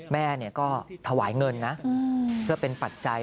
แม่ก็ถวายเงินนะเพื่อเป็นปัจจัย